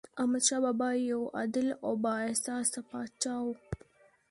احمدشاه بابا یو عادل او بااحساسه پاچا و.